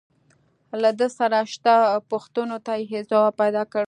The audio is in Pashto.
له ده سره شته پوښتنو ته يې ځواب پيدا کړ.